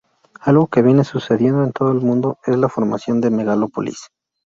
Algo que viene sucediendo en todo el mundo es la formación de megalópolis.